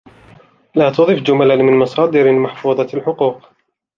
لا تضف جملا من مصادر محفوظة الحقوق.